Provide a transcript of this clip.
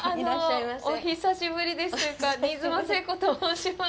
お久しぶりですというか新妻聖子と申します。